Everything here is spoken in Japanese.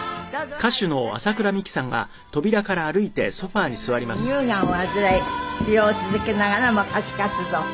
６年前に乳がんを患い治療を続けながらも歌手活動。